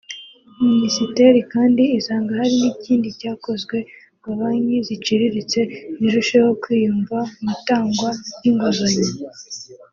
Minisiteri kandi isanga hari n’ikindi cyakozwe ngo banki ziciriritse zirusheho kwiyumva mu itangwa ry’inguzanyo